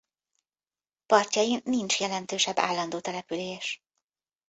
Partjain nincs jelentősebb állandó település.